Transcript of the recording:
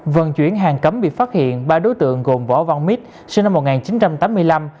vận chuyển hàng cấm bị phát hiện ba đối tượng gồm võ văn mít sinh năm một nghìn chín trăm tám mươi năm